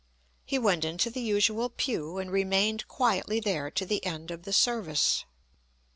He went into the usual pew, and remained quietly there to the end of the service.